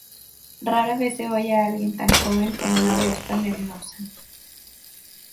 Rara vez se oye a alguien tan joven con una voz tan hermosa".